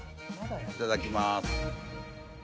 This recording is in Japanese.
いただきます。